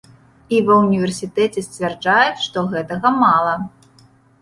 І ва ўніверсітэце сцвярджаюць, што гэтага мала!